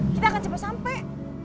kita akan cepat sampai